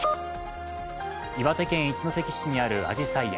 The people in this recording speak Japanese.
岩手県一関市にあるあじさい園。